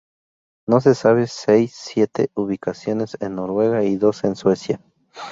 Se sabe seis-siete ubicaciones en Noruega y dos en Suecia.